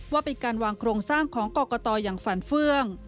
ว่าเป็นการวางโครงสร้างของกรกตอย่างฝันเฟื่อง